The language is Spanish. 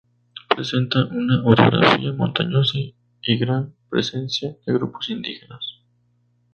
Presentan una orografía montañosa y gran presencia de grupos indígenas.